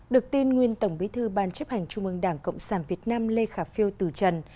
được tin nguyên tổng bí thư ban chấp hành trung ương đảng cộng sản việt nam lê khả phiêu từ trần